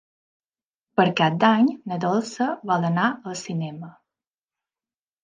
Per Cap d'Any na Dolça vol anar al cinema.